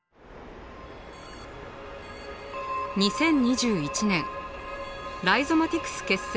２０２１年ライゾマティクス結成